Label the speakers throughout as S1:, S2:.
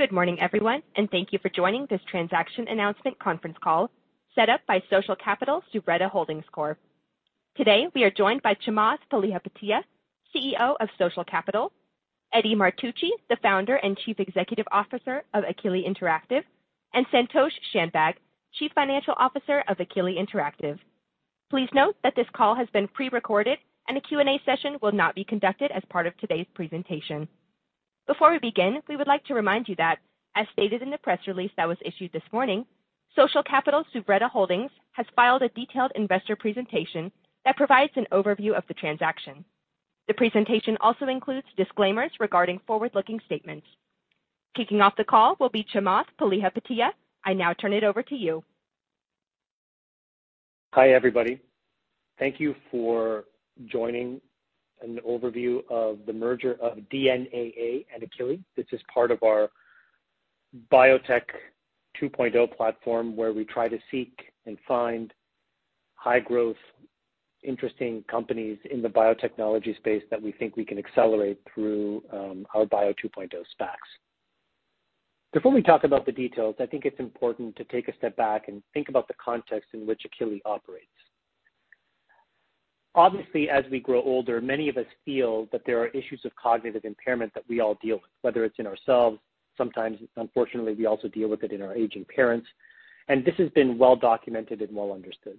S1: Good morning, everyone, and thank you for joining this transaction announcement conference call set up by Social Capital Suvretta Holdings Corp. Today, we are joined by Chamath Palihapitiya, CEO of Social Capital, Eddie Martucci, the founder and Chief Executive Officer of Akili Interactive, and Santosh Shanbhag, Chief Financial Officer of Akili Interactive. Please note that this call has been pre-recorded and a Q&A session will not be conducted as part of today's presentation. Before we begin, we would like to remind you that, as stated in the press release that was issued this morning, Social Capital Suvretta Holdings Corp. I has filed a detailed investor presentation that provides an overview of the transaction. The presentation also includes disclaimers regarding forward-looking statements. Kicking off the call will be Chamath Palihapitiya. I now turn it over to you.
S2: Hi, everybody. Thank you for joining an overview of the merger of DNAA and Akili, which is part of our biotech 2.0 platform, where we try to seek and find high-growth, interesting companies in the biotechnology space that we think we can accelerate through our bio 2.0 SPACs. Before we talk about the details, I think it's important to take a step back and think about the context in which Akili operates. Obviously, as we grow older, many of us feel that there are issues of cognitive impairment that we all deal with, whether it's in ourselves. Sometimes, unfortunately, we also deal with it in our aging parents, and this has been well documented and well understood.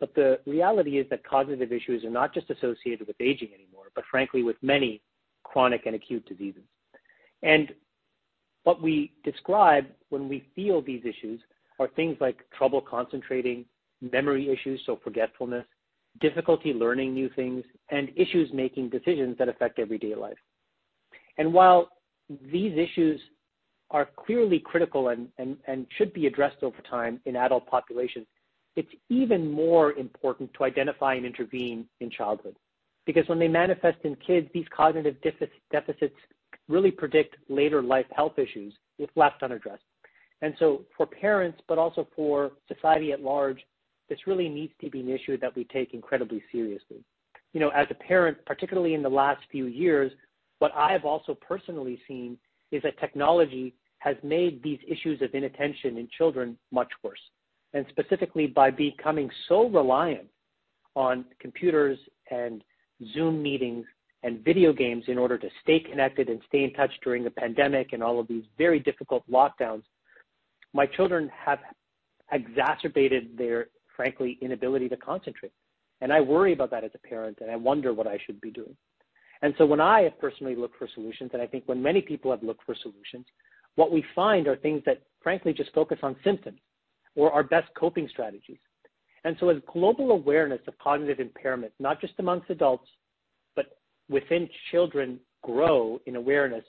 S2: The reality is that cognitive issues are not just associated with aging anymore, but frankly, with many chronic and acute diseases. What we describe when we feel these issues are things like trouble concentrating, memory issues or forgetfulness, difficulty learning new things, and issues making decisions that affect everyday life. While these issues are clearly critical and should be addressed over time in adult populations, it's even more important to identify and intervene in childhood, because when they manifest in kids, these cognitive deficits really predict later life health issues if left unaddressed. For parents, but also for society at large, this really needs to be an issue that we take incredibly seriously. You know, as a parent, particularly in the last few years, what I have also personally seen is that technology has made these issues of inattention in children much worse, and specifically by becoming so reliant on computers and Zoom meetings and video games in order to stay connected and stay in touch during the pandemic and all of these very difficult lockdowns. My children have exacerbated their, frankly, inability to concentrate. I worry about that as a parent, and I wonder what I should be doing. When I have personally looked for solutions, and I think when many people have looked for solutions, what we find are things that frankly just focus on symptoms or are best coping strategies. As global awareness of cognitive impairment, not just amongst adults, but within children, grow in awareness,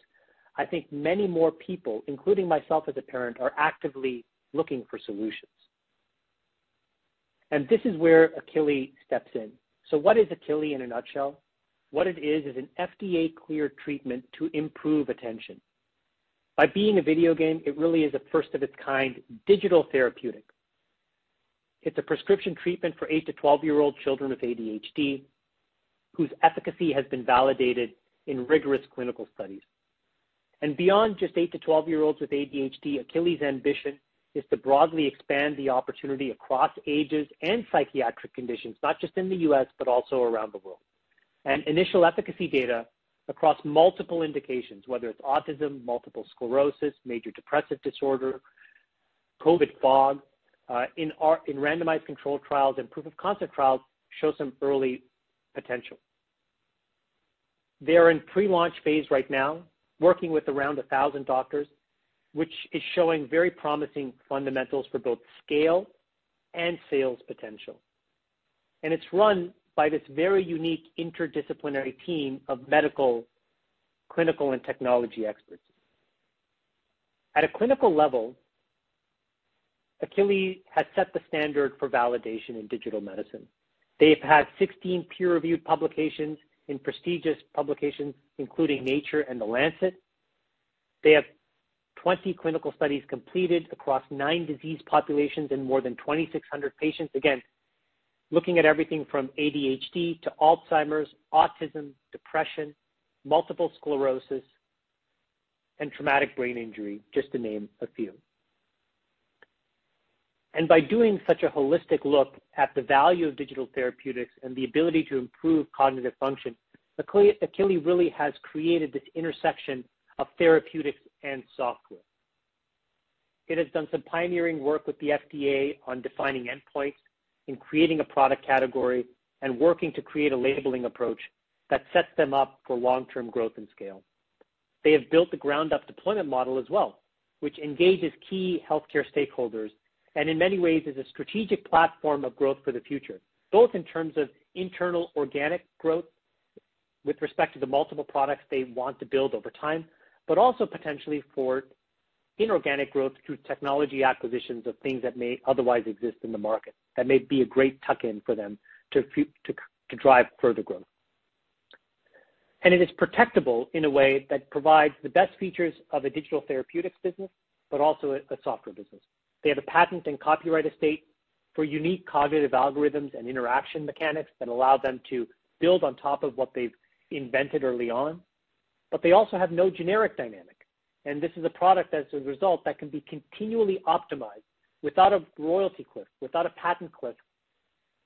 S2: I think many more people, including myself as a parent, are actively looking for solutions. This is where Akili steps in. What is Akili in a nutshell? What it is an FDA-cleared treatment to improve attention. By being a video game, it really is a first of its kind digital therapeutic. It's a prescription treatment for 8- to 12-year-old children with ADHD whose efficacy has been validated in rigorous clinical studies. Beyond just 8- to 12-year-olds with ADHD, Akili's ambition is to broadly expand the opportunity across ages and psychiatric conditions, not just in the U.S. also around the world. Initial efficacy data across multiple indications, whether it's autism, multiple sclerosis, major depressive disorder, COVID fog, in randomized controlled trials and proof of concept trials show some early potential. They are in pre-launch phase right now, working with around 1,000 doctors, which is showing very promising fundamentals for both scale and sales potential. It's run by this very unique interdisciplinary team of medical, clinical, and technology experts. At a clinical level, Akili has set the standard for validation in digital medicine. They've had 16 peer-reviewed publications in prestigious publications, including Nature and The Lancet. They have 20 clinical studies completed across 9 disease populations in more than 2,600 patients. Again, looking at everything from ADHD to Alzheimer's, autism, depression, multiple sclerosis, and traumatic brain injury, just to name a few. By doing such a holistic look at the value of digital therapeutics and the ability to improve cognitive function, Akili really has created this intersection of therapeutics and software. It has done some pioneering work with the FDA on defining endpoints, in creating a product category, and working to create a labeling approach that sets them up for long-term growth and scale. They have built the ground up deployment model as well, which engages key healthcare stakeholders and in many ways is a strategic platform of growth for the future, both in terms of internal organic growth with respect to the multiple products they want to build over time, but also potentially for inorganic growth through technology acquisitions of things that may otherwise exist in the market, that may be a great tuck-in for them to drive further growth. It is protectable in a way that provides the best features of a digital therapeutics business, but also a software business. They have a patent and copyright estate for unique cognitive algorithms and interaction mechanics that allow them to build on top of what they've invented early on. They also have no generic dynamic, and this is a product as a result that can be continually optimized without a royalty cliff, without a patent cliff,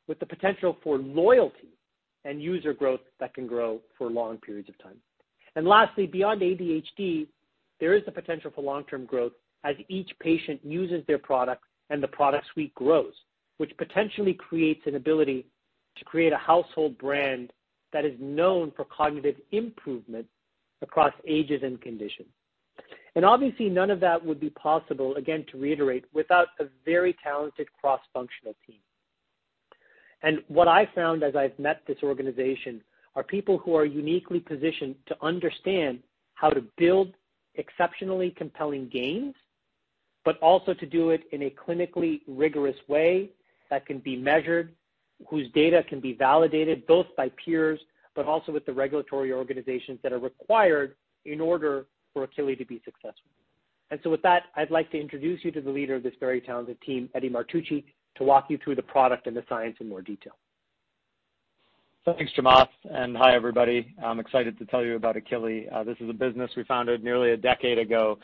S2: with the potential for loyalty and user growth that can grow for long periods of time. Lastly, beyond ADHD, there is the potential for long-term growth as each patient uses their product and the product suite grows, which potentially creates an ability to create a household brand that is known for cognitive improvement across ages and conditions. Obviously, none of that would be possible, again, to reiterate, without a very talented cross-functional team. What I found as I've met this organization are people who are uniquely positioned to understand how to build exceptionally compelling games, but also to do it in a clinically rigorous way that can be measured, whose data can be validated both by peers but also with the regulatory organizations that are required in order for Akili to be successful. With that, I'd like to introduce you to the leader of this very talented team, Eddie Martucci, to walk you through the product and the science in more detail.
S3: Thanks, Chamath, and hi, everybody. I'm excited to tell you about Akili. This is a business we founded nearly a decade ago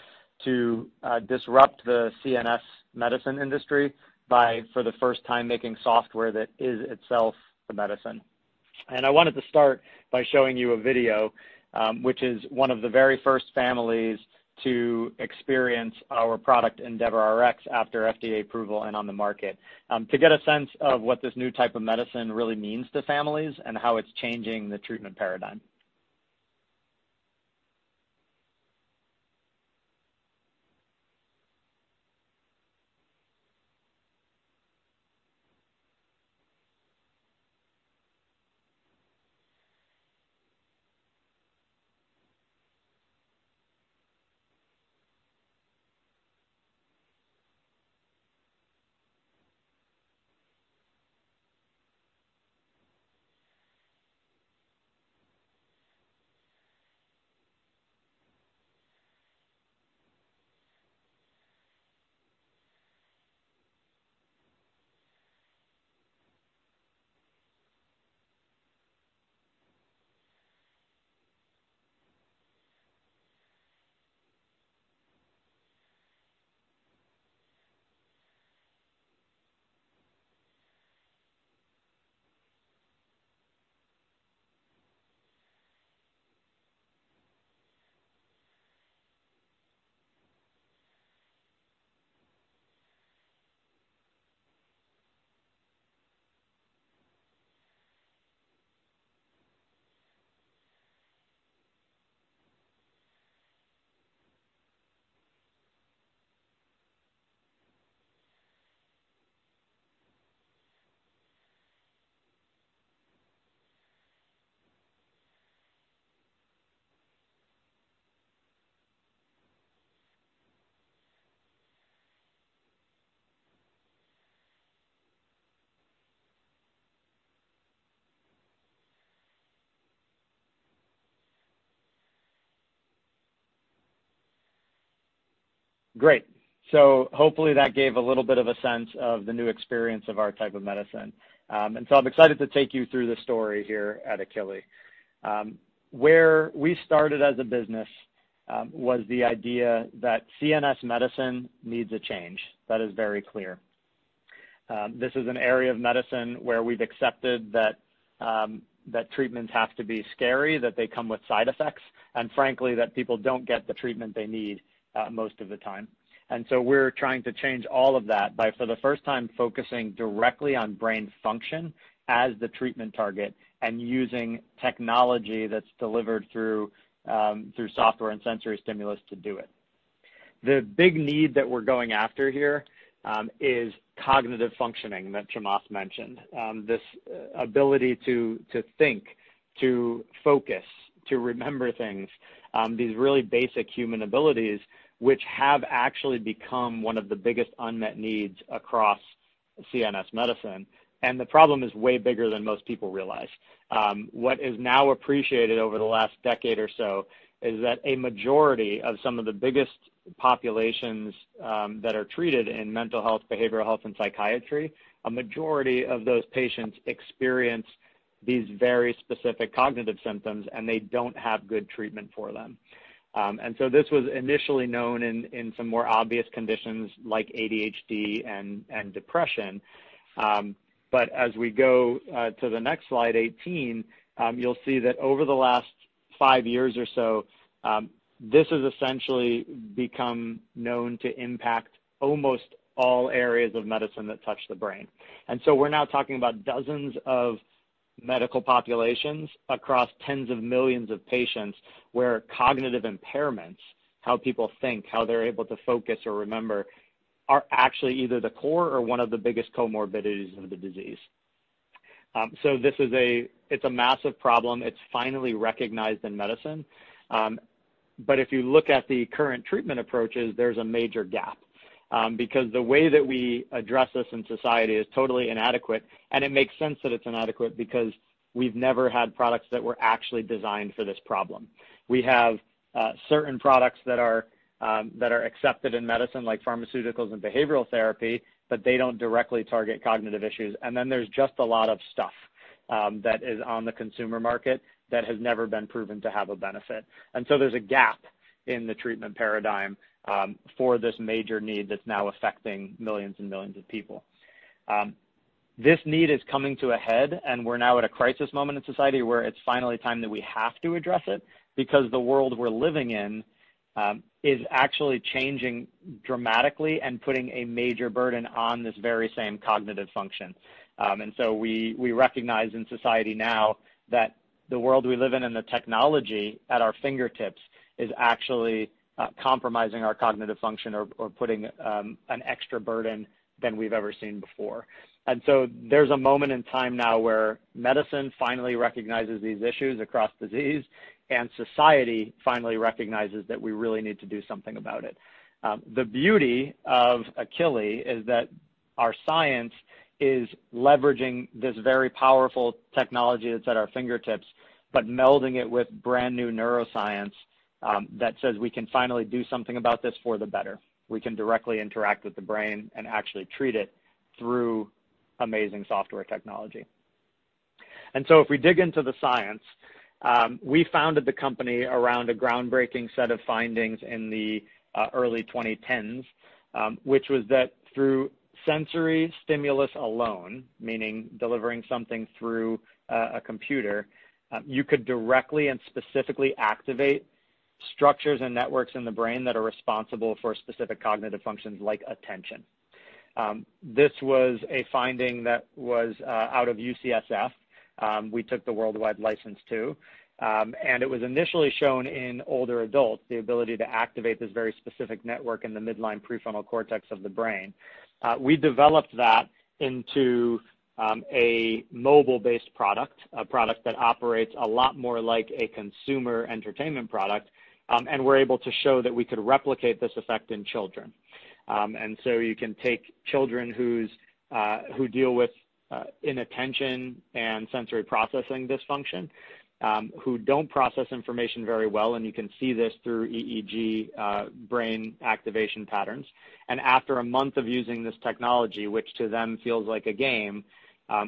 S3: to disrupt the CNS medicine industry by, for the first time, making software that is itself the medicine. I wanted to start by showing you a video, which is one of the very first families to experience our product EndeavorRx after FDA approval and on the market, to get a sense of what this new type of medicine really means to families and how it's changing the treatment paradigm. Great. Hopefully, that gave a little bit of a sense of the new experience of our type of medicine. I'm excited to take you through the story here at Akili. Where we started as a business was the idea that CNS medicine needs a change. That is very clear. This is an area of medicine where we've accepted that that treatments have to be scary, that they come with side effects, and frankly, that people don't get the treatment they need, most of the time. We're trying to change all of that by, for the first time, focusing directly on brain function as the treatment target and using technology that's delivered through through software and sensory stimulus to do it. The big need that we're going after here is cognitive functioning that Chamath mentioned. This ability to think, to focus, to remember things, these really basic human abilities which have actually become one of the biggest unmet needs across CNS medicine. The problem is way bigger than most people realize. What is now appreciated over the last decade or so is that a majority of some of the biggest populations that are treated in mental health, behavioral health, and psychiatry, a majority of those patients experience these very specific cognitive symptoms, and they don't have good treatment for them. This was initially known in some more obvious conditions like ADHD and depression. As we go to the next slide, 18, you'll see that over the last five years or so, this has essentially become known to impact almost all areas of medicine that touch the brain. We're now talking about dozens of medical populations across tens of millions of patients, where cognitive impairments, how people think, how they're able to focus or remember, are actually either the core or one of the biggest comorbidities of the disease. This is a massive problem. It's finally recognized in medicine. If you look at the current treatment approaches, there's a major gap, because the way that we address this in society is totally inadequate, and it makes sense that it's inadequate because we've never had products that were actually designed for this problem. We have certain products that are accepted in medicine, like pharmaceuticals and behavioral therapy, but they don't directly target cognitive issues. There's just a lot of stuff that is on the consumer market that has never been proven to have a benefit. There's a gap in the treatment paradigm for this major need that's now affecting millions and millions of people. This need is coming to a head, and we're now at a crisis moment in society where it's finally time that we have to address it because the world we're living in is actually changing dramatically and putting a major burden on this very same cognitive function. We recognize in society now that the world we live in and the technology at our fingertips is actually compromising our cognitive function or putting an extra burden than we've ever seen before. There's a moment in time now where medicine finally recognizes these issues across disease, and society finally recognizes that we really need to do something about it. The beauty of Akili is that our science is leveraging this very powerful technology that's at our fingertips, but melding it with brand-new neuroscience, that says we can finally do something about this for the better. We can directly interact with the brain and actually treat it through amazing software technology. If we dig into the science, we founded the company around a groundbreaking set of findings in the early 2010s, which was that through sensory stimulus alone, meaning delivering something through a computer, you could directly and specifically activate structures and networks in the brain that are responsible for specific cognitive functions like attention. This was a finding that was out of UCSF. We took the worldwide license to. It was initially shown in older adults, the ability to activate this very specific network in the midline prefrontal cortex of the brain. We developed that into a mobile-based product, a product that operates a lot more like a consumer entertainment product, and we're able to show that we could replicate this effect in children. You can take children who deal with inattention and sensory processing dysfunction, who don't process information very well, and you can see this through EEG brain activation patterns. After a month of using this technology, which to them feels like a game,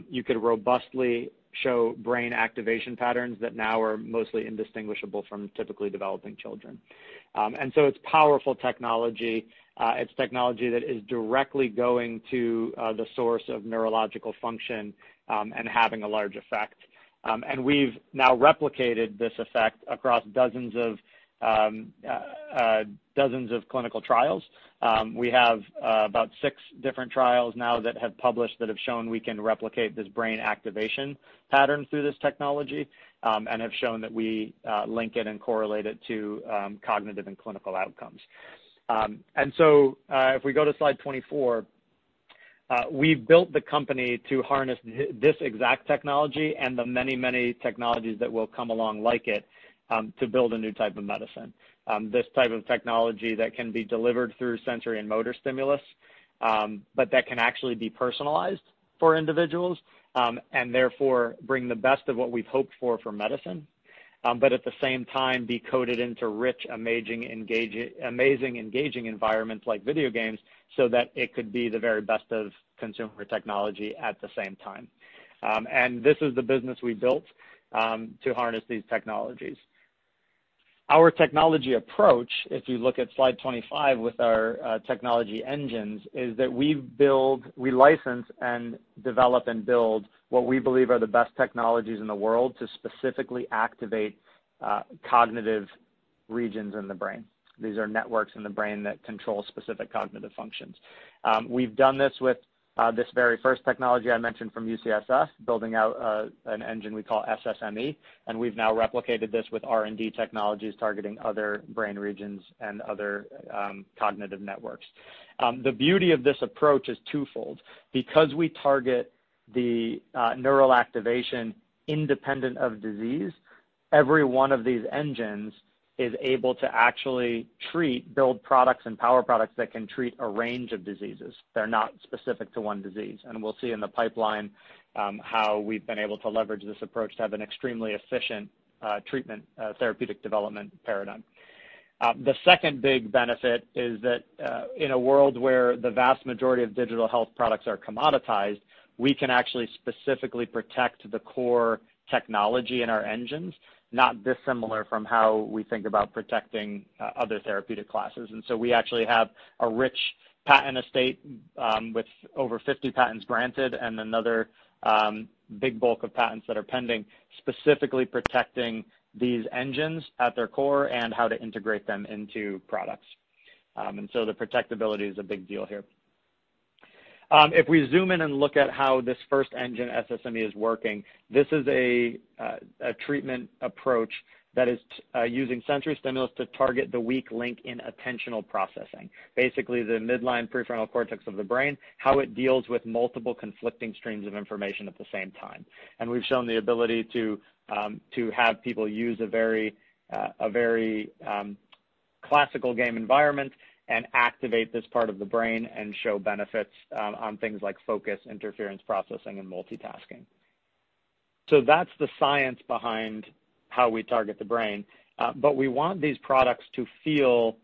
S3: you could robustly show brain activation patterns that now are mostly indistinguishable from typically developing children. It's powerful technology. It's technology that is directly going to the source of neurological function and having a large effect. We've now replicated this effect across dozens of clinical trials. We have about six different trials now that have published that have shown we can replicate this brain activation pattern through this technology and have shown that we link it and correlate it to cognitive and clinical outcomes. If we go to slide 24, we've built the company to harness this exact technology and the many, many technologies that will come along like it to build a new type of medicine. This type of technology that can be delivered through sensory and motor stimulus, but that can actually be personalized for individuals, and therefore bring the best of what we've hoped for for medicine, but at the same time, be coded into rich, amazing, engaging environments like video games so that it could be the very best of consumer technology at the same time. This is the business we built to harness these technologies. Our technology approach, if you look at slide 25 with our technology engines, is that we license and develop and build what we believe are the best technologies in the world to specifically activate cognitive regions in the brain. These are networks in the brain that control specific cognitive functions. We've done this with this very first technology I mentioned from UCSF, building out an engine we call SSME. We've now replicated this with R&D technologies targeting other brain regions and other cognitive networks. The beauty of this approach is twofold. Because we target the neural activation independent of disease, every one of these engines is able to actually treat, build products and power products that can treat a range of diseases. They're not specific to one disease. We'll see in the pipeline how we've been able to leverage this approach to have an extremely efficient therapeutic development paradigm. The second big benefit is that, in a world where the vast majority of digital health products are commoditized, we can actually specifically protect the core technology in our engines, not dissimilar from how we think about protecting other therapeutic classes. We actually have a rich patent estate, with over 50 patents granted and another big bulk of patents that are pending, specifically protecting these engines at their core and how to integrate them into products. The protectability is a big deal here. If we zoom in and look at how this first engine, SSME, is working, this is a treatment approach that is using sensory stimulus to target the weak link in attentional processing. Basically, the midline prefrontal cortex of the brain, how it deals with multiple conflicting streams of information at the same time. We've shown the ability to have people use a very classical game environment and activate this part of the brain and show benefits on things like focus, interference processing, and multitasking. That's the science behind how we target the brain. We want these products to feel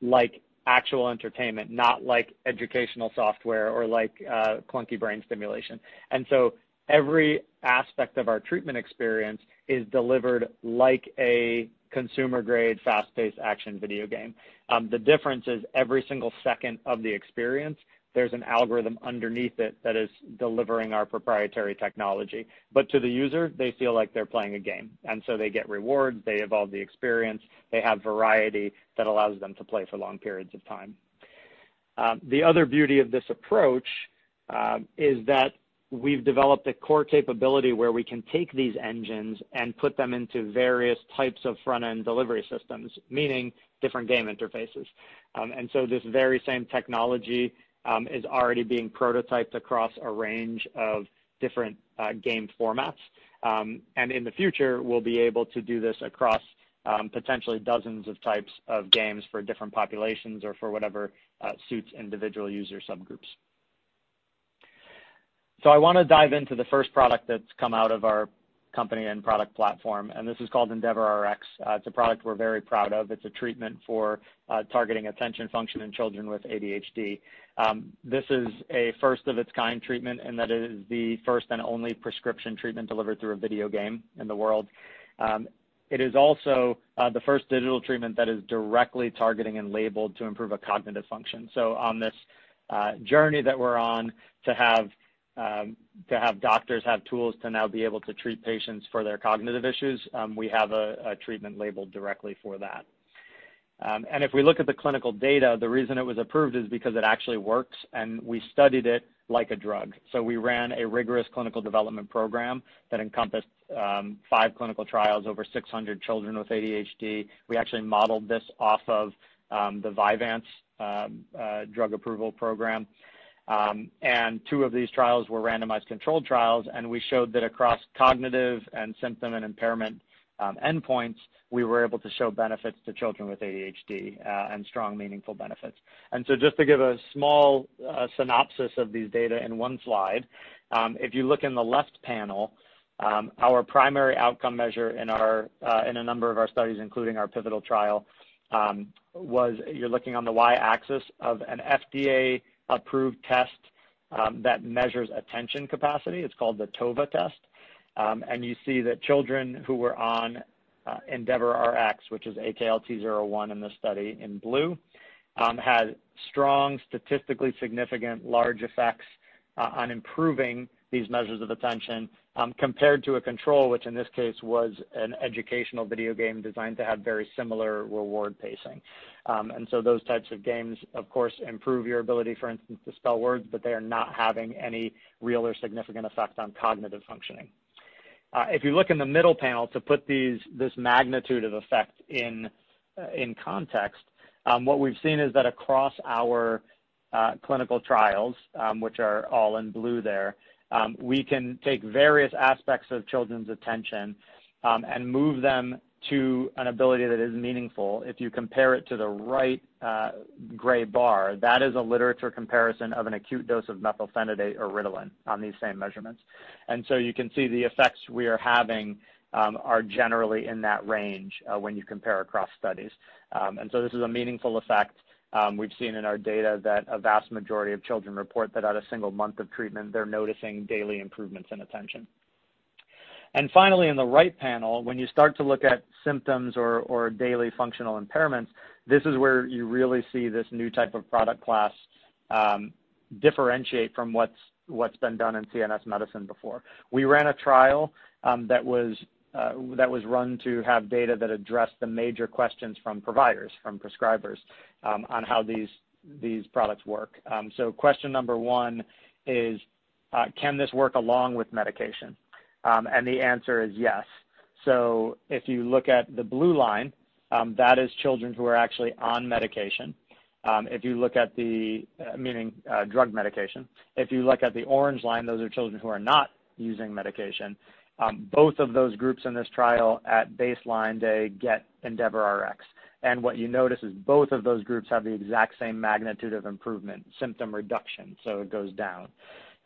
S3: like actual entertainment, not like educational software or like clunky brain stimulation. Every aspect of our treatment experience is delivered like a consumer-grade fast-paced action video game. The difference is every single second of the experience, there's an algorithm underneath it that is delivering our proprietary technology. To the user, they feel like they're playing a game. They get rewards, they evolve the experience, they have variety that allows them to play for long periods of time. The other beauty of this approach is that we've developed a core capability where we can take these engines and put them into various types of front-end delivery systems, meaning different game interfaces. This very same technology is already being prototyped across a range of different game formats. In the future, we'll be able to do this across potentially dozens of types of games for different populations or for whatever suits individual user subgroups. I wanna dive into the first product that's come out of our company and product platform, and this is called EndeavorRx. It's a product we're very proud of. It's a treatment for targeting attention function in children with ADHD. This is a first-of-its-kind treatment, and that is the first and only prescription treatment delivered through a video game in the world. It is also the first digital treatment that is directly targeting and labeled to improve a cognitive function. On this journey that we're on to have doctors have tools to now be able to treat patients for their cognitive issues, we have a treatment labeled directly for that. If we look at the clinical data, the reason it was approved is because it actually works, and we studied it like a drug. We ran a rigorous clinical development program that encompassed five clinical trials, over 600 children with ADHD. We actually modeled this off of the Vyvanse drug approval program. Two of these trials were randomized controlled trials, and we showed that across cognitive and symptom and impairment endpoints, we were able to show benefits to children with ADHD, and strong, meaningful benefits. Just to give a small synopsis of these data in one slide, if you look in the left panel, our primary outcome measure in our, in a number of our studies, including our pivotal trial, was. You're looking on the Y-axis of an FDA-approved test that measures attention capacity. It's called the TOVA test. You see that children who were on EndeavorRx, which is AKL-T01 in this study in blue, had strong statistically significant large effects on improving these measures of attention compared to a control which in this case was an educational video game designed to have very similar reward pacing. Those types of games, of course, improve your ability, for instance, to spell words, but they are not having any real or significant effect on cognitive functioning. If you look in the middle panel to put this magnitude of effect in context, what we've seen is that across our clinical trials, which are all in blue there, we can take various aspects of children's attention and move them to an ability that is meaningful. If you compare it to the right, gray bar, that is a literature comparison of an acute dose of methylphenidate or Ritalin on these same measurements. You can see the effects we are having are generally in that range when you compare across studies. This is a meaningful effect. We've seen in our data that a vast majority of children report that at a single month of treatment, they're noticing daily improvements in attention. Finally, in the right panel, when you start to look at symptoms or daily functional impairments, this is where you really see this new type of product class differentiate from what's been done in CNS medicine before. We ran a trial that was run to have data that addressed the major questions from providers, from prescribers, on how these products work. Question number one is, can this work along with medication? The answer is yes. If you look at the blue line, that is children who are actually on medication. If you look at the orange line, those are children who are not using medication. Both of those groups in this trial at baseline, they get EndeavorRx. What you notice is both of those groups have the exact same magnitude of improvement, symptom reduction, so it goes down.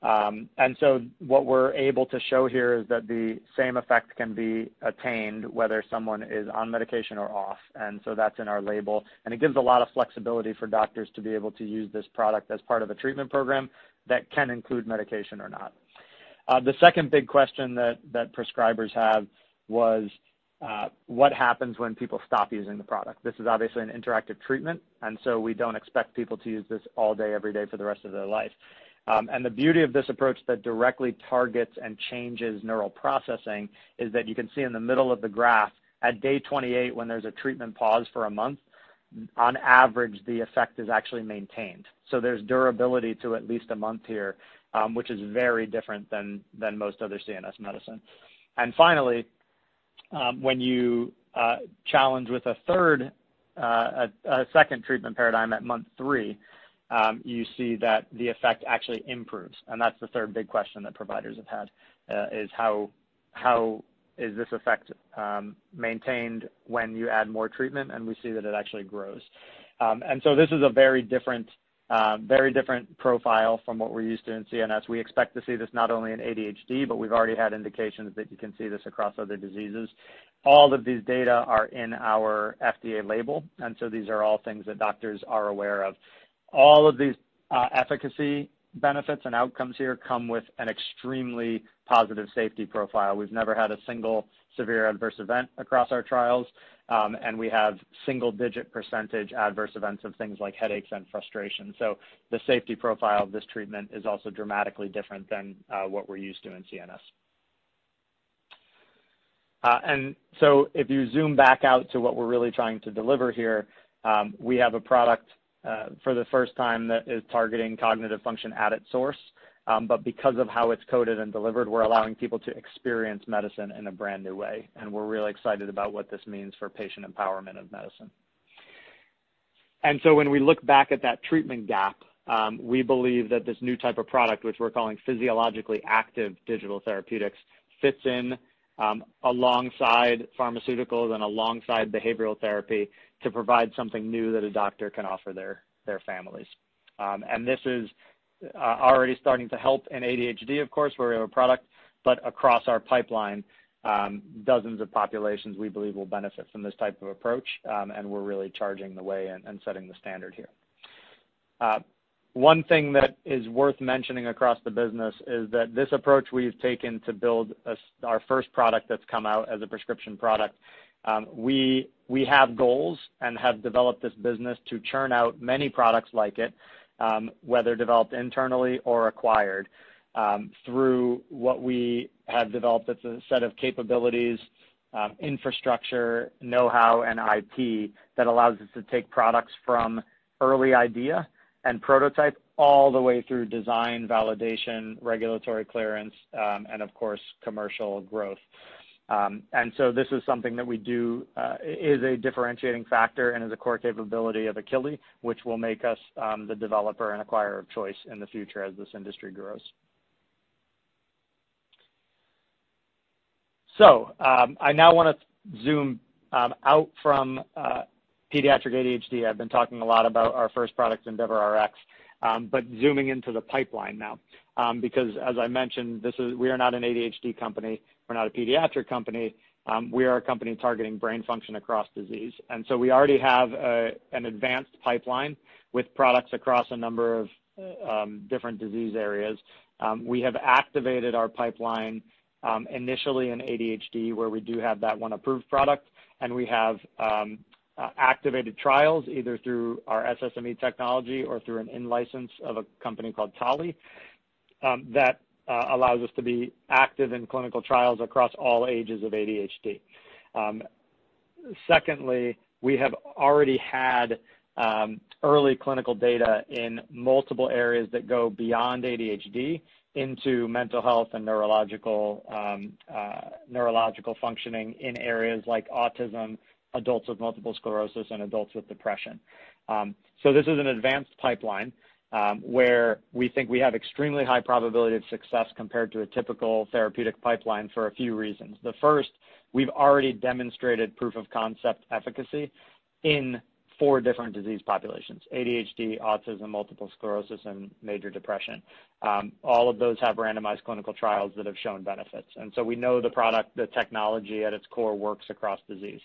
S3: What we're able to show here is that the same effect can be attained whether someone is on medication or off. That's in our label. It gives a lot of flexibility for doctors to be able to use this product as part of a treatment program that can include medication or not. The second big question that prescribers have was what happens when people stop using the product? This is obviously an interactive treatment, and so we don't expect people to use this all day, every day for the rest of their life. The beauty of this approach that directly targets and changes neural processing is that you can see in the middle of the graph, at day 28, when there's a treatment pause for a month, on average, the effect is actually maintained. There's durability to at least a month here, which is very different than most other CNS medicine. Finally, when you challenge with a second treatment paradigm at month 3, you see that the effect actually improves. That's the third big question that providers have had, is how is this effect maintained when you add more treatment and we see that it actually grows. This is a very different profile from what we're used to in CNS. We expect to see this not only in ADHD, but we've already had indications that you can see this across other diseases. All of these data are in our FDA label, and these are all things that doctors are aware of. All of these efficacy benefits and outcomes here come with an extremely positive safety profile. We've never had a single severe adverse event across our trials, and we have single-digit percentage adverse events of things like headaches and frustration. The safety profile of this treatment is also dramatically different than what we're used to in CNS. If you zoom back out to what we're really trying to deliver here, we have a product for the first time that is targeting cognitive function at its source. Because of how it's coded and delivered, we're allowing people to experience medicine in a brand new way, and we're really excited about what this means for patient empowerment of medicine. When we look back at that treatment gap, we believe that this new type of product, which we're calling physiologically active digital therapeutics, fits in, alongside pharmaceuticals and alongside behavioral therapy to provide something new that a doctor can offer their families. This is already starting to help in ADHD, of course, where we have a product. But across our pipeline, dozens of populations we believe will benefit from this type of approach, and we're really charting the way and setting the standard here. One thing that is worth mentioning across the business is that this approach we've taken to build our first product that's come out as a prescription product, we have goals and have developed this business to churn out many products like it, whether developed internally or acquired, through what we have developed. It's a set of capabilities, infrastructure, know-how, and IT that allows us to take products from early idea and prototype all the way through design, validation, regulatory clearance, and of course, commercial growth. This is something that we do is a differentiating factor and is a core capability of Akili, which will make us the developer and acquirer of choice in the future as this industry grows. I now wanna zoom out from pediatric ADHD. I've been talking a lot about our first product, EndeavorRx, but zooming into the pipeline now, because as I mentioned, we are not an ADHD company, we're not a pediatric company, we are a company targeting brain function across disease. We already have an advanced pipeline with products across a number of different disease areas. We have activated our pipeline initially in ADHD, where we do have that one approved product, and we have activated trials either through our SSME technology or through an in-license of a company called TALi, that allows us to be active in clinical trials across all ages of ADHD. Secondly, we have already had early clinical data in multiple areas that go beyond ADHD into mental health and neurological functioning in areas like autism, adults with multiple sclerosis, and adults with depression. This is an advanced pipeline where we think we have extremely high probability of success compared to a typical therapeutic pipeline for a few reasons. The first, we've already demonstrated proof of concept efficacy in four different disease populations: ADHD, autism, multiple sclerosis, and major depression. All of those have randomized clinical trials that have shown benefits, and so we know the product, the technology at its core works across disease.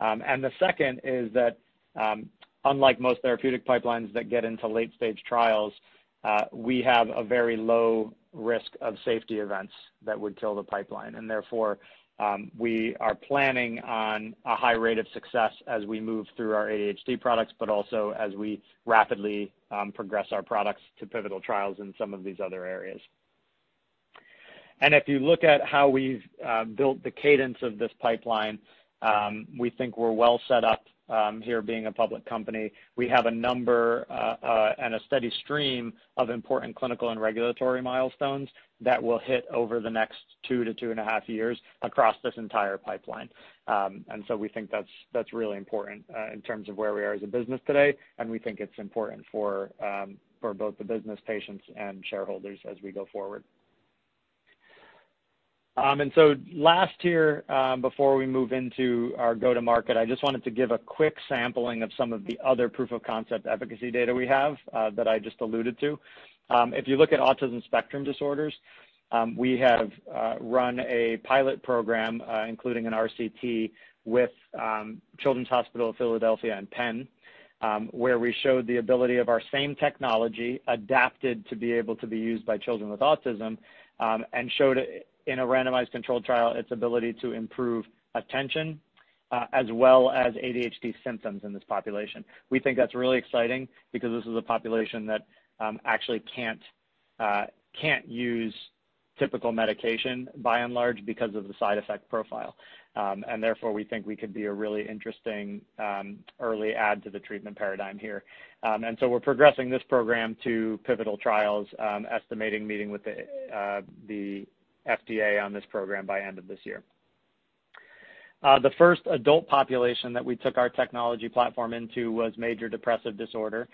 S3: The second is that, unlike most therapeutic pipelines that get into late stage trials, we have a very low risk of safety events that would kill the pipeline. Therefore, we are planning on a high rate of success as we move through our ADHD products, but also as we rapidly progress our products to pivotal trials in some of these other areas. If you look at how we've built the cadence of this pipeline, we think we're well set up here being a public company. We have a number and a steady stream of important clinical and regulatory milestones that will hit over the next 2 to 2.5 years across this entire pipeline. We think that's really important in terms of where we are as a business today, and we think it's important for both the business patients and shareholders as we go forward. Last here, before we move into our go-to-market, I just wanted to give a quick sampling of some of the other proof of concept efficacy data we have that I just alluded to. If you look at autism spectrum disorders, we have run a pilot program, including an RCT with Children's Hospital of Philadelphia and Penn, where we showed the ability of our same technology adapted to be able to be used by children with autism, and showed in a randomized controlled trial its ability to improve attention as well as ADHD symptoms in this population. We think that's really exciting because this is a population that actually can't use typical medication by and large because of the side effect profile. Therefore, we think we could be a really interesting early add to the treatment paradigm here. We're progressing this program to pivotal trials, estimating meeting with the FDA on this program by end of this year. The first adult population that we took our technology platform into was major depressive disorder.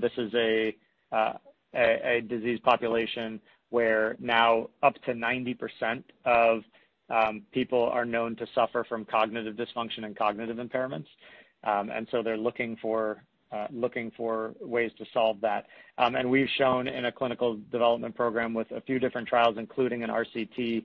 S3: This is a disease population where now up to 90% of people are known to suffer from cognitive dysfunction and cognitive impairments. They're looking for ways to solve that. We've shown in a clinical development program with a few different trials, including an RCT,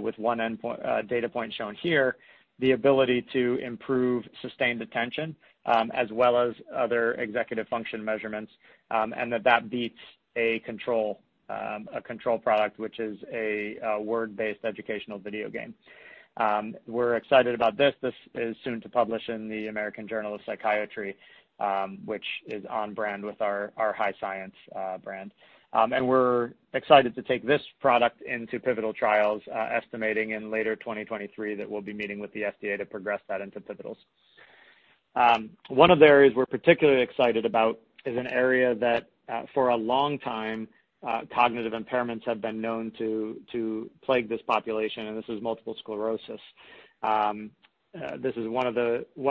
S3: with one endpoint, data point shown here, the ability to improve sustained attention, as well as other executive function measurements, and that beats a control, a control product, which is a word-based educational video game. We're excited about this. This is soon to publish in the American Journal of Psychiatry, which is on brand with our high science brand. We're excited to take this product into pivotal trials, estimating in later 2023 that we'll be meeting with the FDA to progress that into pivotals. One of the areas we're particularly excited about is an area that, for a long time, cognitive impairments have been known to plague this population, and this is multiple sclerosis. This is one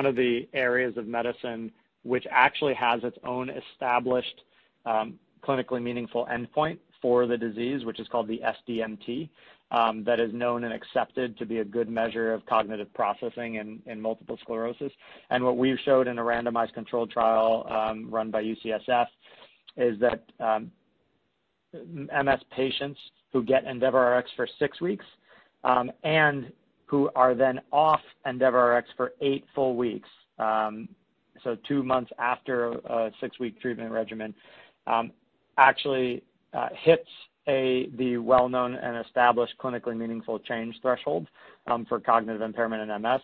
S3: of the areas of medicine which actually has its own established clinically meaningful endpoint for the disease, which is called the SDMT, that is known and accepted to be a good measure of cognitive processing in multiple sclerosis. What we've showed in a randomized controlled trial run by UCSF is that MS patients who get EndeavorRx for six weeks and who are then off EndeavorRx for eight full weeks, so two months after a six-week treatment regimen, actually hits the well-known and established clinically meaningful change threshold for cognitive impairment in MS.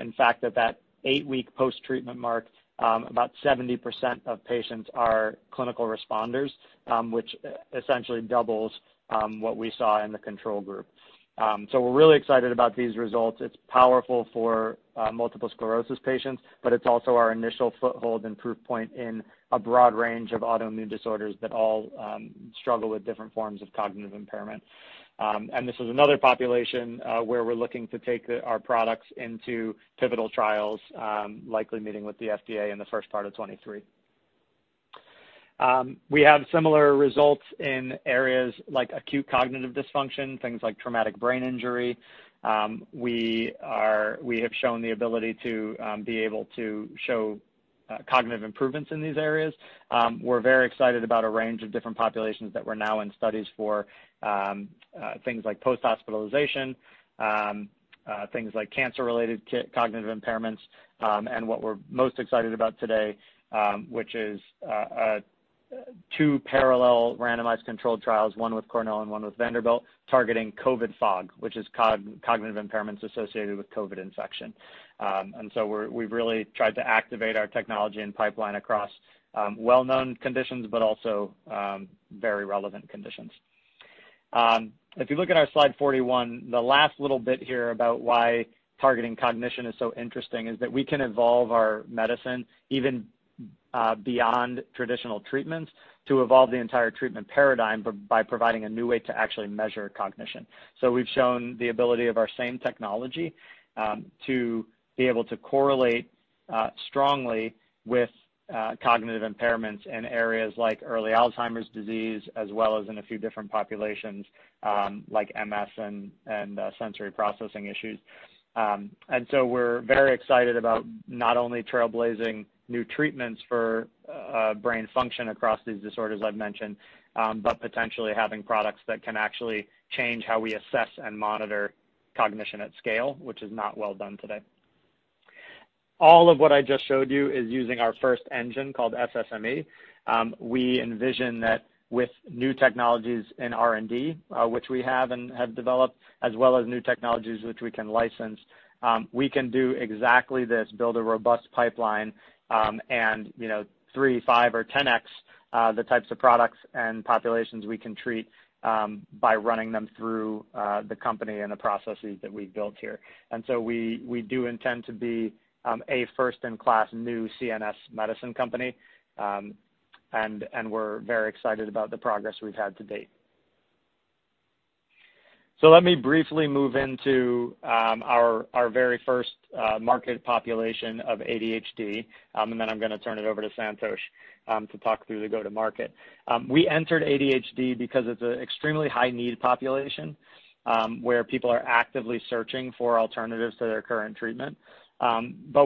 S3: In fact, at that eight-week post-treatment mark, about 70% of patients are clinical responders, which essentially doubles what we saw in the control group. We're really excited about these results. It's powerful for multiple sclerosis patients, but it's also our initial foothold and proof point in a broad range of autoimmune disorders that all struggle with different forms of cognitive impairment. This is another population where we're looking to take our products into pivotal trials, likely meeting with the FDA in the first part of 2023. We have similar results in areas like acute cognitive dysfunction, things like traumatic brain injury. We have shown the ability to be able to show cognitive improvements in these areas. We're very excited about a range of different populations that we're now in studies for, things like post-hospitalization, things like cancer-related cognitive impairments, and what we're most excited about today, which is, two parallel randomized controlled trials, one with Cornell and one with Vanderbilt, targeting COVID fog, which is cognitive impairments associated with COVID infection. We've really tried to activate our technology and pipeline across, well-known conditions, but also, very relevant conditions. If you look at our slide 41, the last little bit here about why targeting cognition is so interesting is that we can evolve our medicine even, beyond traditional treatments to evolve the entire treatment paradigm by providing a new way to actually measure cognition. We've shown the ability of our same technology to be able to correlate strongly with cognitive impairments in areas like early Alzheimer's disease, as well as in a few different populations like MS and sensory processing issues. We're very excited about not only trailblazing new treatments for brain function across these disorders I've mentioned, but potentially having products that can actually change how we assess and monitor cognition at scale, which is not well done today. All of what I just showed you is using our first engine called SSME. We envision that with new technologies in R&D, which we have and have developed, as well as new technologies which we can license, we can do exactly this, build a robust pipeline, and, you know, 3, 5, or 10x the types of products and populations we can treat, by running them through the company and the processes that we've built here. We do intend to be a first-in-class new CNS medicine company, and we're very excited about the progress we've had to date. Let me briefly move into our very first market population of ADHD, and then I'm gonna turn it over to Santhosh to talk through the go-to-market. We entered ADHD because it's an extremely high-need population, where people are actively searching for alternatives to their current treatment.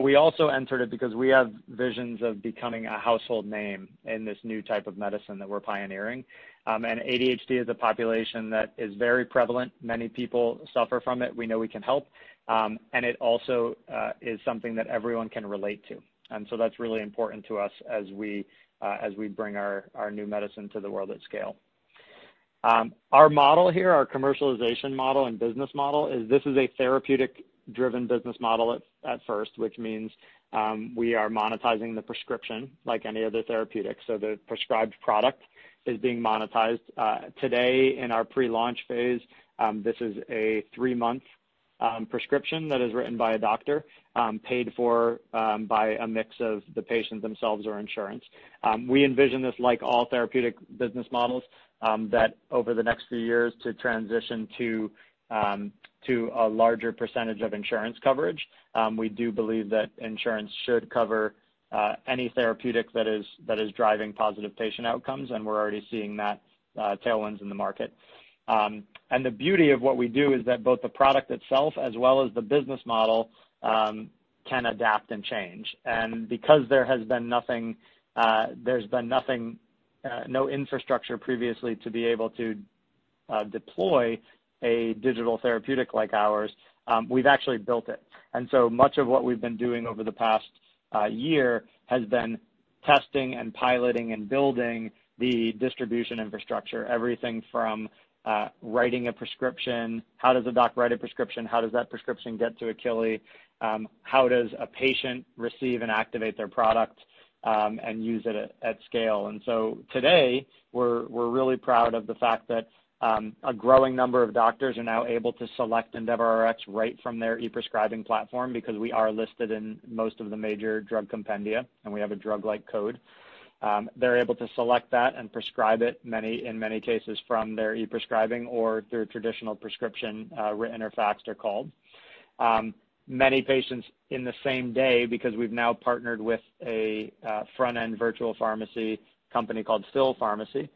S3: We also entered it because we have visions of becoming a household name in this new type of medicine that we're pioneering. ADHD is a population that is very prevalent. Many people suffer from it. We know we can help. It also is something that everyone can relate to. That's really important to us as we bring our new medicine to the world at scale. Our model here, our commercialization model and business model, is a therapeutic-driven business model at first, which means, we are monetizing the prescription like any other therapeutic. The prescribed product is being monetized. Today in our pre-launch phase, this is a three-month prescription that is written by a doctor, paid for by a mix of the patients themselves or insurance. We envision this like all therapeutic business models that over the next few years to transition to a larger percentage of insurance coverage. We do believe that insurance should cover any therapeutic that is driving positive patient outcomes, and we're already seeing those tailwinds in the market. The beauty of what we do is that both the product itself as well as the business model can adapt and change. Because there has been no infrastructure previously to be able to deploy a digital therapeutic like ours, we've actually built it. Much of what we've been doing over the past year has been testing and piloting and building the distribution infrastructure, everything from writing a prescription. How does a doc write a prescription? How does that prescription get to Akili? How does a patient receive and activate their product, and use it at scale? Today, we're really proud of the fact that a growing number of doctors are now able to select EndeavorRx right from their e-prescribing platform because we are listed in most of the major drug compendia, and we have a drug-like code. They're able to select that and prescribe it in many cases from their e-prescribing or through traditional prescription, written or faxed or called. Many patients in the same day because we've now partnered with a front-end virtual pharmacy company called Phil Pharmacy.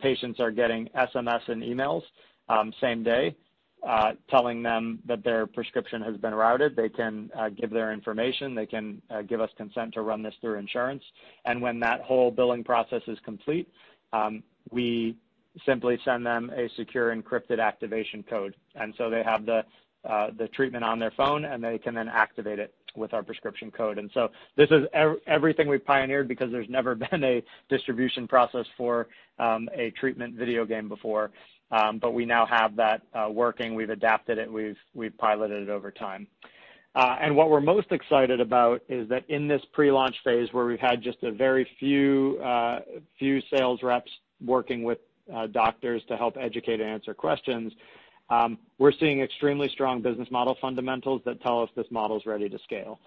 S3: Patients are getting SMS and emails same day telling them that their prescription has been routed. They can give their information. They can give us consent to run this through insurance. When that whole billing process is complete, we simply send them a secure encrypted activation code. They have the treatment on their phone, and they can then activate it with our prescription code. This is everything we've pioneered because there's never been a distribution process for a treatment video game before. We now have that working. We've adapted it. We've piloted it over time. What we're most excited about is that in this pre-launch phase, where we've had just a very few sales reps working with doctors to help educate and answer questions, we're seeing extremely strong business model fundamentals that tell us this model's ready to scale.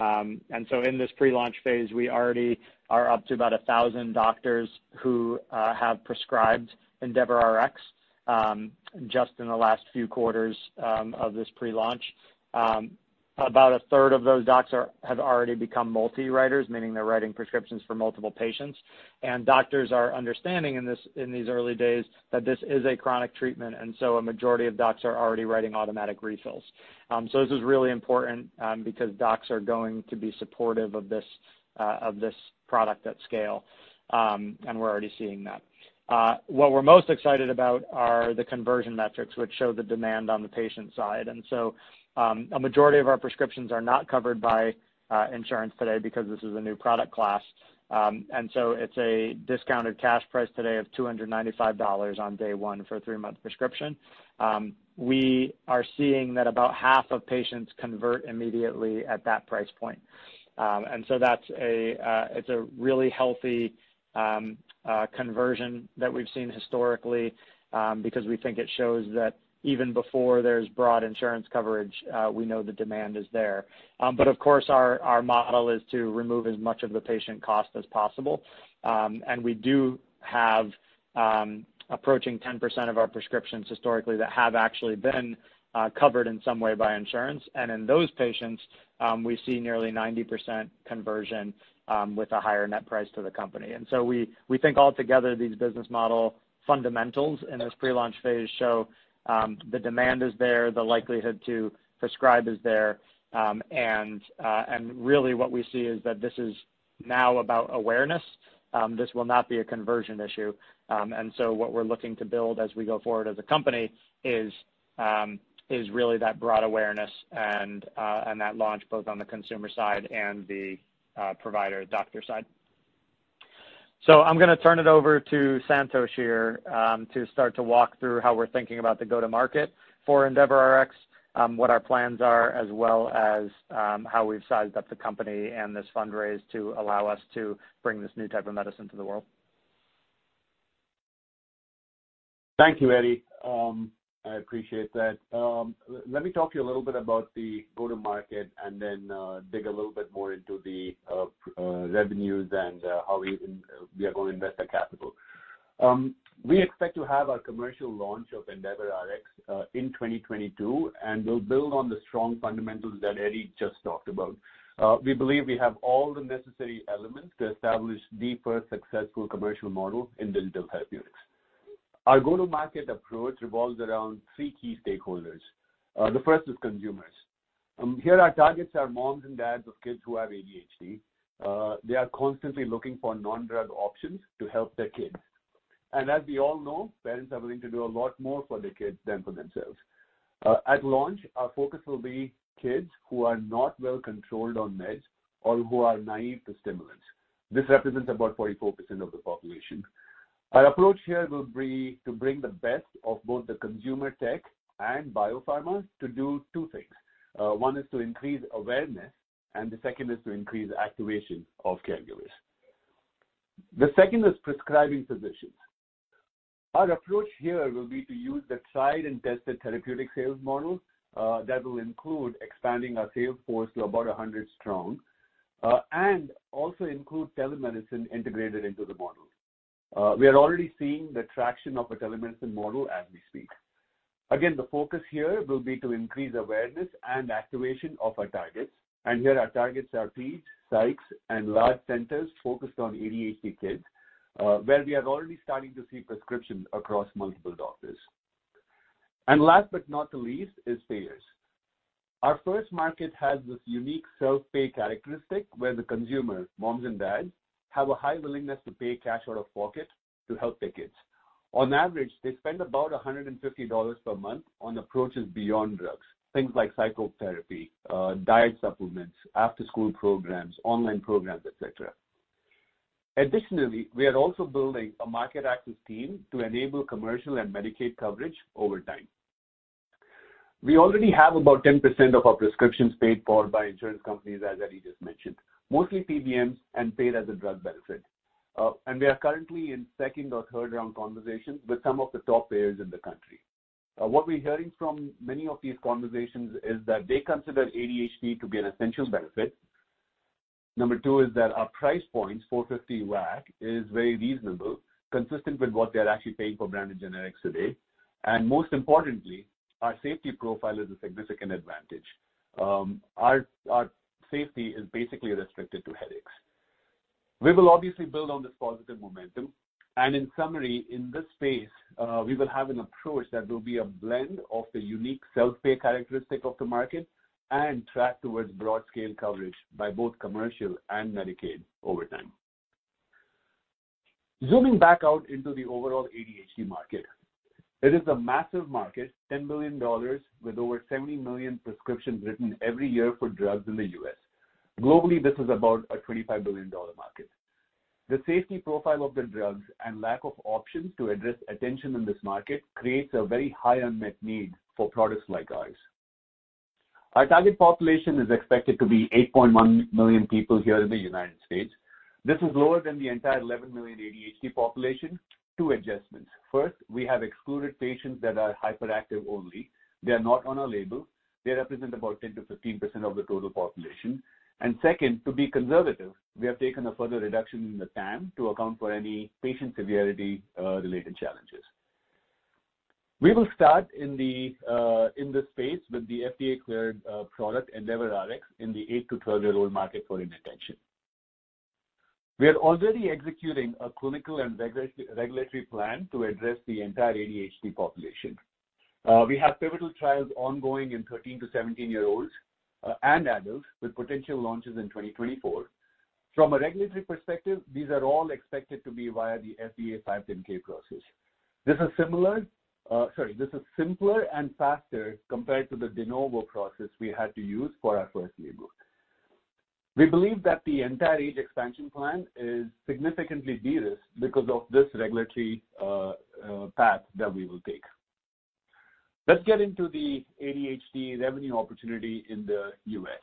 S3: In this pre-launch phase, we already are up to about 1,000 doctors who have prescribed EndeavorRx, just in the last few quarters of this pre-launch. About a third of those docs have already become multi-writers, meaning they're writing prescriptions for multiple patients. Doctors are understanding in these early days that this is a chronic treatment, and a majority of docs are already writing automatic refills. So this is really important, because docs are going to be supportive of this, of this product at scale, and we're already seeing that. What we're most excited about are the conversion metrics, which show the demand on the patient side. A majority of our prescriptions are not covered by insurance today because this is a new product class. It's a discounted cash price today of $295 on day one for a three-month prescription. We are seeing that about half of patients convert immediately at that price point. It's a really healthy conversion that we've seen historically, because we think it shows that even before there's broad insurance coverage, we know the demand is there. Of course our model is to remove as much of the patient cost as possible. We do have approaching 10% of our prescriptions historically that have actually been covered in some way by insurance. In those patients, we see nearly 90% conversion with a higher net price to the company. We think altogether these business model fundamentals in this pre-launch phase show the demand is there, the likelihood to prescribe is there. Really what we see is that this is now about awareness. This will not be a conversion issue. What we're looking to build as we go forward as a company is really that broad awareness and that launch both on the consumer side and the provider doctor side. I'm gonna turn it over to Santosh here, to start to walk through how we're thinking about the go-to-market for EndeavorRx, what our plans are, as well as how we've sized up the company and this fundraise to allow us to bring this new type of medicine to the world.
S4: Thank you, Eddie. I appreciate that. Let me talk to you a little bit about the go-to-market and then dig a little bit more into the revenues and we are gonna invest that capital. We expect to have our commercial launch of EndeavorRx in 2022, and we'll build on the strong fundamentals that Eddie just talked about. We believe we have all the necessary elements to establish the first successful commercial model in digital therapeutics. Our go-to-market approach revolves around three key stakeholders. The first is consumers. Here our targets are moms and dads of kids who have ADHD. They are constantly looking for non-drug options to help their kids. As we all know, parents are willing to do a lot more for their kids than for themselves. At launch, our focus will be kids who are not well controlled on meds or who are naive to stimulants. This represents about 44% of the population. Our approach here will be to bring the best of both the consumer tech and biopharma to do two things. One is to increase awareness, and the second is to increase activation of caregivers. The second is prescribing physicians. Our approach here will be to use the tried and tested therapeutic sales model that will include expanding our sales force to about 100 strong, and also include telemedicine integrated into the model. We are already seeing the traction of a telemedicine model as we speak. Again, the focus here will be to increase awareness and activation of our targets. Here our targets are Peds, Psychs, and large centers focused on ADHD kids, where we are already starting to see prescriptions across multiple doctors. Last but not the least is payers. Our first market has this unique self-pay characteristic where the consumers, moms and dads, have a high willingness to pay cash out of pocket to help their kids. On average, they spend about $150 per month on approaches beyond drugs, things like psychotherapy, diet supplements, after-school programs, online programs, et cetera. Additionally, we are also building a market access team to enable commercial and Medicaid coverage over time. We already have about 10% of our prescriptions paid for by insurance companies, as Eddie just mentioned, mostly PBMs and paid as a drug benefit. We are currently in second or third round conversations with some of the top payers in the country. What we're hearing from many of these conversations is that they consider ADHD to be an essential benefit. Number two is that our price points, $450 WAC, is very reasonable, consistent with what they're actually paying for branded generics today. Most importantly, our safety profile is a significant advantage. Our safety is basically restricted to headaches. We will obviously build on this positive momentum, and in summary, in this space, we will have an approach that will be a blend of the unique self-pay characteristic of the market and track towards broad-scale coverage by both commercial and Medicaid over time. Zooming back out into the overall ADHD market. It is a massive market, $10 billion with over 70 million prescriptions written every year for drugs in the U.S. Globally, this is about a $25 billion market. The safety profile of the drugs and lack of options to address attention in this market creates a very high unmet need for products like ours. Our target population is expected to be 8.1 million people here in the United States. This is lower than the entire 11 million ADHD population. Two adjustments. First, we have excluded patients that are hyperactive only. They are not on our label. They represent about 10%-15% of the total population. Second, to be conservative, we have taken a further reduction in the TAM to account for any patient severity related challenges. We will start in this space with the FDA-cleared product, EndeavorRx, in the 8- to 12-year-old market for inattention. We are already executing a clinical and regulatory plan to address the entire ADHD population. We have pivotal trials ongoing in 13- to 17-year-olds and adults, with potential launches in 2024. From a regulatory perspective, these are all expected to be via the FDA 510(k) process. This is simpler and faster compared to the de novo process we had to use for our first label. We believe that the entire age expansion plan is significantly de-risked because of this regulatory path that we will take. Let's get into the ADHD revenue opportunity in the US.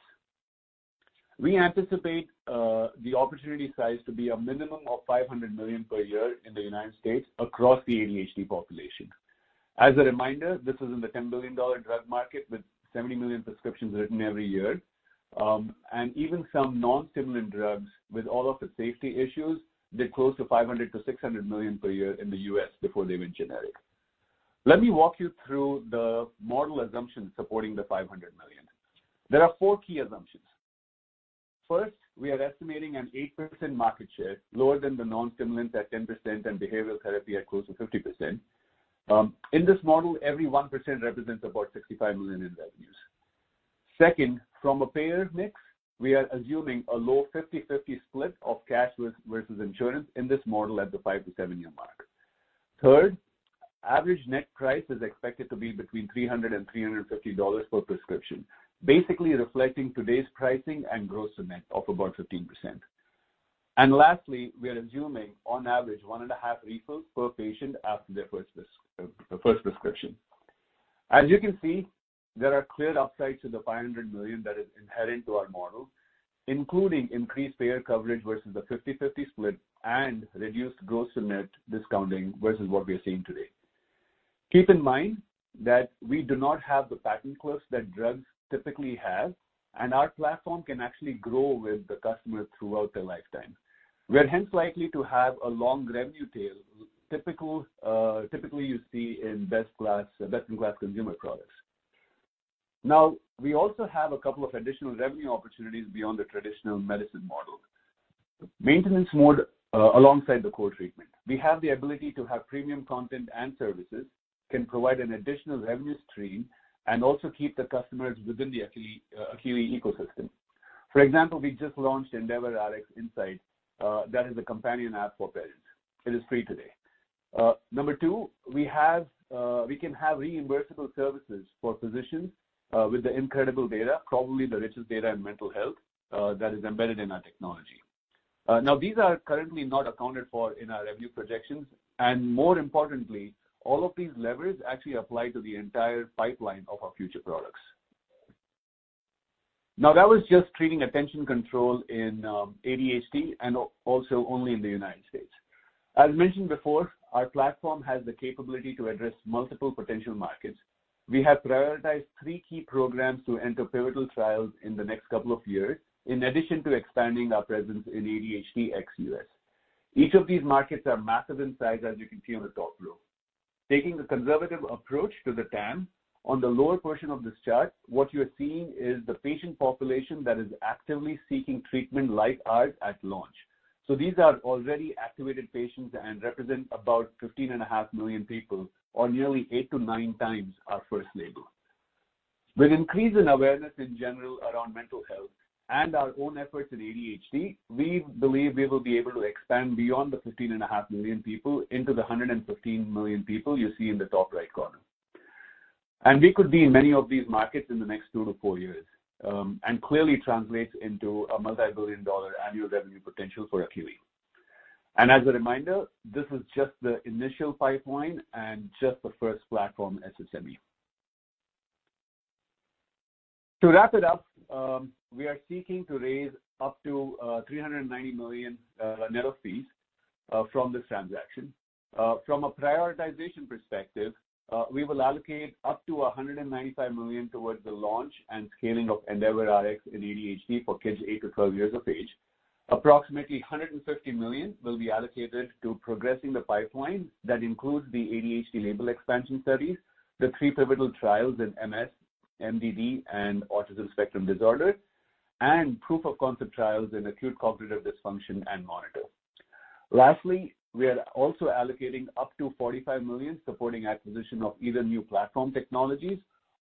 S4: We anticipate the opportunity size to be a minimum of $500 million per year in the United States across the ADHD population. As a reminder, this is in the $10 billion drug market with 70 million prescriptions written every year, and even some non-stimulant drugs with all of the safety issues did close to $500 million-$600 million per year in the U.S. before they went generic. Let me walk you through the model assumptions supporting the $500 million. There are four key assumptions. First, we are estimating an 8% market share, lower than the non-stimulants at 10% and behavioral therapy at close to 50%. In this model, every 1% represents about $65 million in revenues. Second, from a payer mix, we are assuming a low 50/50 split of cash versus insurance in this model at the 5-7-year mark. Third, average net price is expected to be between $300 and $350 per prescription, basically reflecting today's pricing and gross to net of about 15%. Lastly, we are assuming on average 1.5 refills per patient after their first prescription. As you can see, there are clear upsides to the $500 million that is inherent to our model, including increased payer coverage versus the 50/50 split and reduced gross to net discounting versus what we are seeing today. Keep in mind that we do not have the patent cliffs that drugs typically have, and our platform can actually grow with the customer throughout their lifetime. We are hence likely to have a long revenue tail typically you see in best-in-class consumer products. Now, we also have a couple of additional revenue opportunities beyond the traditional medicine model. Maintenance mode alongside the core treatment, we have the ability to have premium content and services, can provide an additional revenue stream and also keep the customers within the Akili ecosystem. For example, we just launched EndeavorRx Insights, that is a companion app for parents. It is free today. Number two, we can have reimbursable services for physicians, with the incredible data, probably the richest data in mental health, that is embedded in our technology. Now these are currently not accounted for in our revenue projections, and more importantly, all of these levers actually apply to the entire pipeline of our future products. Now that was just treating attention control in, ADHD and also only in the United States. As mentioned before, our platform has the capability to address multiple potential markets. We have prioritized three key programs to enter pivotal trials in the next couple of years, in addition to expanding our presence in ADHD ex-U.S. Each of these markets are massive in size, as you can see on the top row. Taking the conservative approach to the TAM, on the lower portion of this chart, what you are seeing is the patient population that is actively seeking treatment like ours at launch. These are already activated patients and represent about 15.5 million people, or nearly 8-9 times our first label. With increase in awareness in general around mental health and our own efforts in ADHD, we believe we will be able to expand beyond the 15.5 million people into the 115 million people you see in the top right corner. We could be in many of these markets in the next 2-4 years, and clearly translates into a multi-billion dollar annual revenue potential for Akili. As a reminder, this is just the initial pipeline and just the first platform SSME. To wrap it up, we are seeking to raise up to $390 million, net of fees, from this transaction. From a prioritization perspective, we will allocate up to $195 million towards the launch and scaling of EndeavorRx in ADHD for kids 8-12 years of age. Approximately $150 million will be allocated to progressing the pipeline. That includes the ADHD label expansion studies, the three pivotal trials in MS, MDD, and autism spectrum disorder, and proof of concept trials in acute cognitive dysfunction and more. Lastly, we are also allocating up to $45 million supporting acquisition of either new platform technologies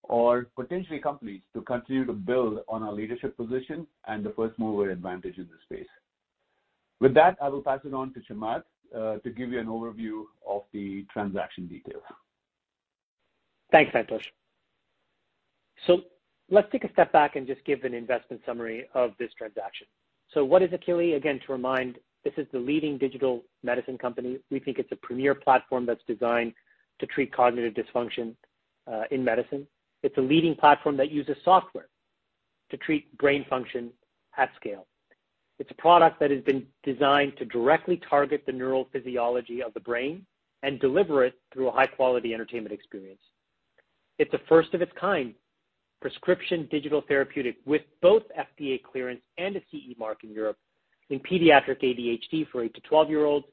S4: or potentially companies to continue to build on our leadership position and the first mover advantage in this space. With that, I will pass it on to Chamath to give you an overview of the transaction details.
S2: Thanks, Santosh. Let's take a step back and just give an investment summary of this transaction. What is Akili? Again, to remind, this is the leading digital medicine company. We think it's a premier platform that's designed to treat cognitive dysfunction in medicine. It's a leading platform that uses software to treat brain function at scale. It's a product that has been designed to directly target the neural physiology of the brain and deliver it through a high-quality entertainment experience. It's a first of its kind prescription digital therapeutic with both FDA clearance and a CE mark in Europe in pediatric ADHD for 8-12-year-olds,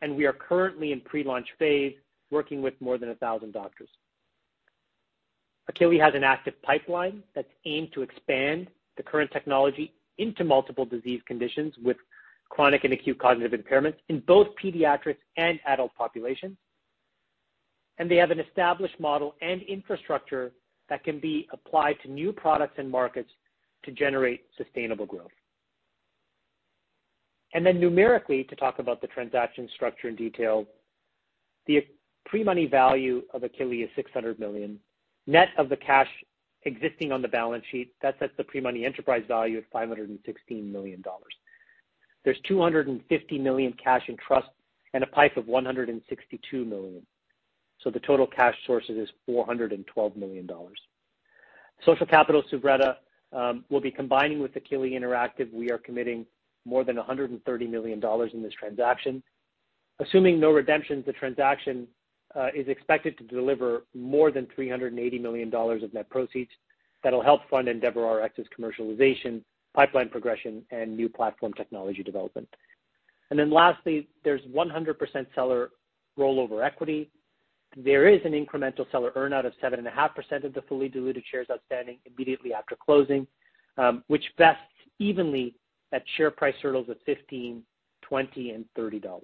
S2: and we are currently in pre-launch phase, working with more than 1,000 doctors. Akili has an active pipeline that's aimed to expand the current technology into multiple disease conditions with chronic and acute cognitive impairment in both pediatrics and adult populations. They have an established model and infrastructure that can be applied to new products and markets to generate sustainable growth. Numerically, to talk about the transaction structure in detail, the pre-money value of Akili is $600 million. Net of the cash existing on the balance sheet, that sets the pre-money enterprise value at $516 million. There's $250 million cash in trust and a PIPE of $162 million. The total cash sources is $412 million. Social Capital Suvretta will be combining with Akili Interactive. We are committing more than $130 million in this transaction. Assuming no redemptions, the transaction is expected to deliver more than $380 million of net proceeds that'll help fund EndeavorRx's commercialization, pipeline progression, and new platform technology development. There's 100% seller rollover equity. There is an incremental seller earn out of 7.5% of the fully diluted shares outstanding immediately after closing, which vests evenly at share price hurdles of $15, $20, and $30.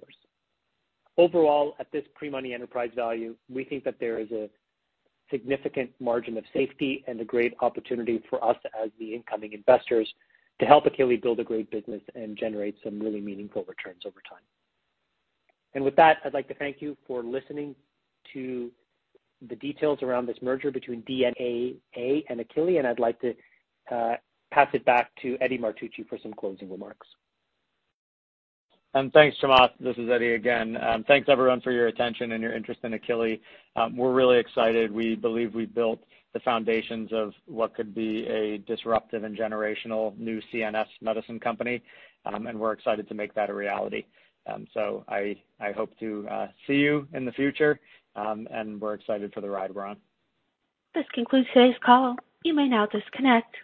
S2: Overall, at this pre-money enterprise value, we think that there is a significant margin of safety and a great opportunity for us as the incoming investors to help Akili build a great business and generate some really meaningful returns over time. With that, I'd like to thank you for listening to the details around this merger between DNAA and Akili, and I'd like to pass it back to Eddie Martucci for some closing remarks.
S3: Thanks, Chamath. This is Eddie again. Thanks everyone for your attention and your interest in Akili. We're really excited. We believe we've built the foundations of what could be a disruptive and generational new CNS medicine company, and we're excited to make that a reality. I hope to see you in the future, and we're excited for the ride we're on.
S1: This concludes today's call. You may now disconnect.